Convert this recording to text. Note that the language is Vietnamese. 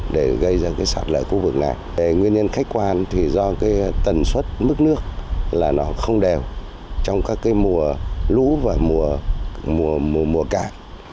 bây giờ cái sạt lợi khu vực này nguyên nhân khách quan thì do cái tần suất mức nước là nó không đều trong các cái mùa lũ và mùa cạn